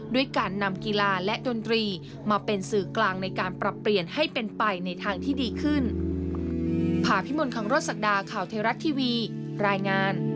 ด้วยการนำกีฬาและดนตรีมาเป็นสื่อกลางในการปรับเปลี่ยนให้เป็นไปในทางที่ดีขึ้น